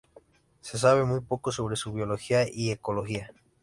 Se sabe muy poco sobre su biología y ecología.